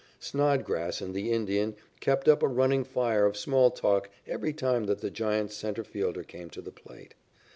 Snodgrass and the Indian kept up a running fire of small talk every time that the Giants' centre fielder came to the plate.